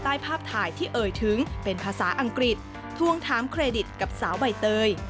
ใต้ภาพถ่ายที่เอ่ยถึงเป็นภาษาอังกฤษทวงถามเครดิตกับสาวใบเตย